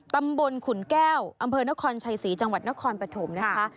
ตำบลขุนแก้วอำเภอนครชัยศรีจังหวัดนครปฐมนะคะ